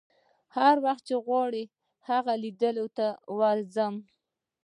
هر وخت چې وغواړم د هغو لیدو ته ورځم.